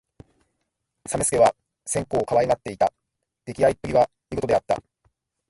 実資は千古をかわいがった。できあいっぷりは見事であった。